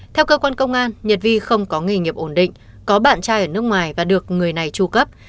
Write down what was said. theo cơ quan công an nhật vi không có nghề nghiệp ổn định có bạn trai ở nước ngoài và được người này tru cấp